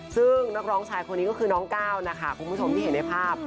ซึ่งนักร้องชายคนนี้ก็คือน้องก้าวนะคะคุณผู้ชมที่เห็นในภาพ